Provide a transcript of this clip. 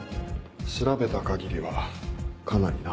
調べた限りはかなりな。